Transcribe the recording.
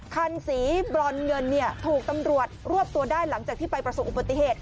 คันสีบรอนเงินถูกตำรวจรวบตัวได้หลังจากที่ไปประสบอุบัติเหตุ